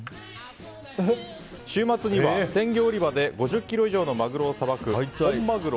週末には鮮魚売り場で５０ｋｇ以上のマグロをさばく本まぐろ